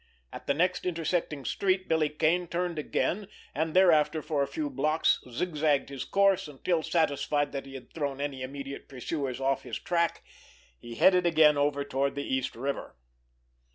At the next intersecting street Billy Kane turned again, and thereafter for a few blocks zigzagged his course, until, satisfied that he had thrown any immediate pursuers off his track, he headed again over toward the East River.